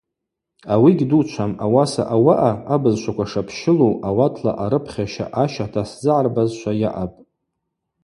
Ауи гьдучвам, ауаса ауаъа абызшваква шапщылу, ауатла арыпхьаща ащата сзыгӏарбазшва йаъапӏ.